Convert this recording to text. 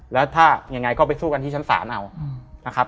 แล้วถ้ายังไงก็ไปสู้กันที่ชั้นศาลเอานะครับ